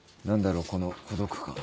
この孤独感。